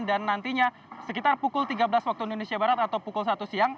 dan nantinya sekitar pukul tiga belas waktu indonesia barat atau pukul satu siang